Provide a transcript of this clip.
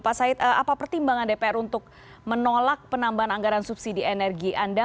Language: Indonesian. pak said apa pertimbangan dpr untuk menolak penambahan anggaran subsidi energi anda